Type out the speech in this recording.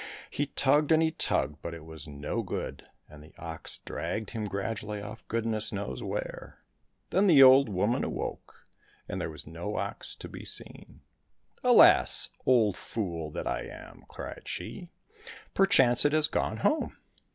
He tugged and he tugged, but it was no good, and the ox dragged him gradually off goodness knows where. Then the old woman awoke, and there was no ox to be seen. " Alas ! old fool that I am !" cried she, " perchance it has gone home."